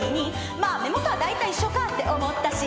「まあ目元はだいたい一緒かって思ったし」